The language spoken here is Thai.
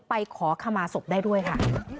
ไปขอขมาศพได้ด้วยค่ะ